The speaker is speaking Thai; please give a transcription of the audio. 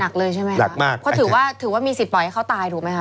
หนักเลยใช่ไหมถือว่ามีสิทธิ์ปล่อยให้เขาตายถูกไหมครับ